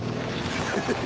フハハハ！